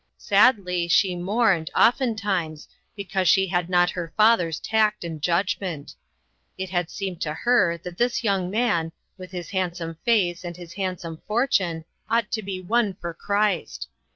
Sadly, she mourned, oftentimes, because she had not her father's tact and judgment. It had seemed to her that this young man, with his handsome face and his handsome fortune, ought to be won for Christ.